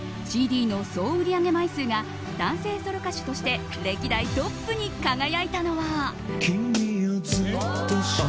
ＣＤの総売り上げ枚数が男性ソロ歌手として歴代トップに輝いたのは。